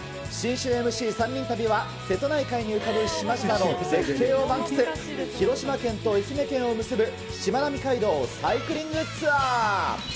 新春ＭＣ３人旅は、瀬戸内海に浮かぶ島々の絶景を満喫、広島県と愛媛県を結ぶしまなみ海道サイクリングツアー。